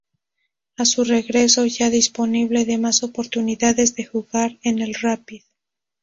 A su regreso ya dispone de más oportunidades de jugar en el Rapid.